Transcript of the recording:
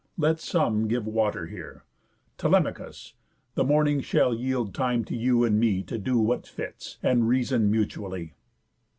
Let some give water here. Telemachus! The morning shall yield time to you and me To do what fits, and reason mutually."